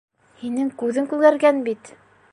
Һинең күҙең күгәргән бит!